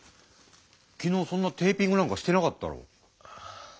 昨日そんなテーピングなんかしてなかったろ。